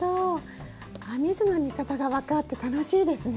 編み図の見方が分かって楽しいですね。